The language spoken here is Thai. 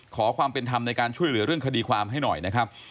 ขอความเป็นธรรมในการช่วยเหลือเรื่องคดีความให้หน่อยนะครับ